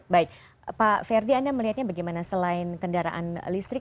baik pak ferdi anda melihatnya bagaimana selain kendaraan listrik